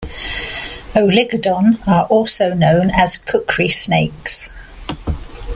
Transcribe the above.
"Oligodon" are also known as kukri snakes.